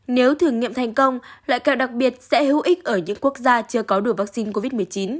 nếu thử nghiệm thành công loại kẹo đặc biệt sẽ hữu ích ở những quốc gia chưa có đủ vaccine covid một mươi chín